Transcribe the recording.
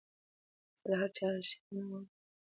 زه له هر چا ښېګڼه غواړم.